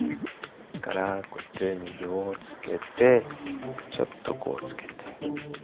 こうやって水をつけてちょっとこうつけて。